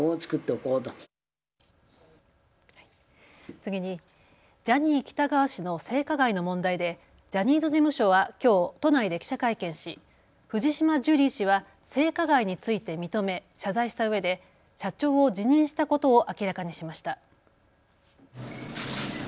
次に、ジャニー喜多川氏の性加害の問題でジャニーズ事務所はきょう都内で記者会見し藤島ジュリー氏は性加害について認め謝罪したうえで社長を辞任したことを明らかにしました。